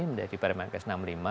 menjadi barman kes enam puluh lima